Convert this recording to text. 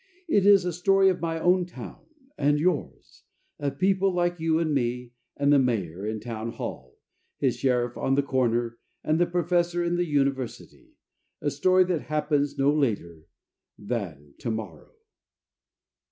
It is a story of my town and yours, of people like you and me and the mayor in townhall, his sheriff on the corner, and the professor in the university a story that happens no later than tomorrow.